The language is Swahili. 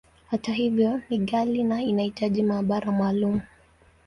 Hata hivyo, ni ghali, na inahitaji maabara maalumu.